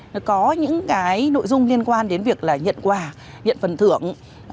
nó có những cái nội dung liên quan đến việc là nhận quà nhận phần thưởng